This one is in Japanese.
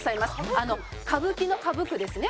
あの「歌舞伎」の「歌舞く」ですね。